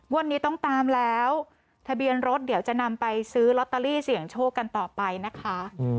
วันนี้ต้องตามแล้วทะเบียนรถเดี๋ยวจะนำไปซื้อลอตเตอรี่เสี่ยงโชคกันต่อไปนะคะ